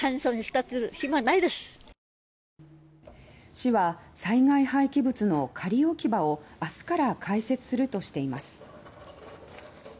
市は災害廃棄物の仮置き場を明日から開設するとしています。